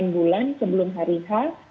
enam bulan sebelum hari h